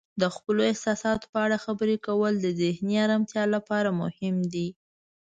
د خپلو احساساتو په اړه خبرې کول د ذهني آرامتیا لپاره مهم دی.